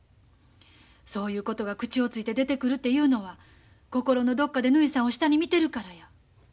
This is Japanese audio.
そういうことが口をついて出てくるていうのは心のどこかでぬひさんを下に見てるからや。